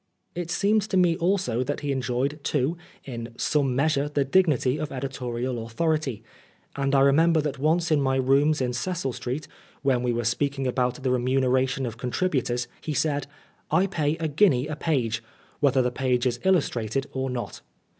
It seemed to me also that he enjoyed, too, 99 Oscar Wilde in some measure the dignity of editorial authority ; and I remember that once in my rooms in Cecil Street, when we were speak ing about the remuneration of contributors, he said, " I pay a guinea a page, whether the page is illustrated or not."